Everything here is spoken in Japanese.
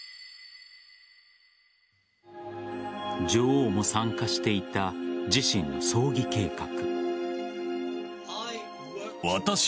女王も参加していた自身の葬儀計画。